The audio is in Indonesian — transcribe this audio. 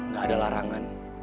gak ada larangan